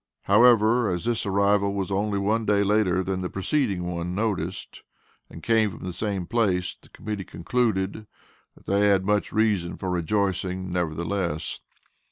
However, as this arrival was only one day later than the preceding one noticed, and came from the same place, the Committee concluded, that they had much reason for rejoicing nevertheless.